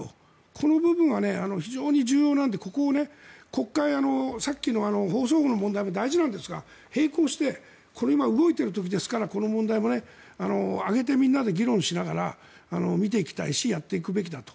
この部分は非常に重要なのでここを国会、さっきの放送法の問題も大事なんですが並行して今、動いてる時ですからこの問題も上げてみんなで議論しながら見ていきたいしやっていくべきだと。